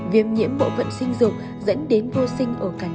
viêm nhiễm bộ vận sinh dục dẫn đến vô sinh ở cả nam